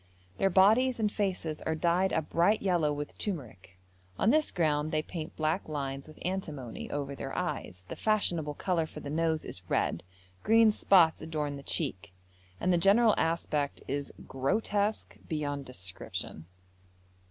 Their bodies and faces are dyed a bright yellow with turmeric; on this ground they paint black lines with antimony, over their eyes; the fashionable colour for the nose is red; green spots adorn the cheek, and the general aspect is grotesque beyond description.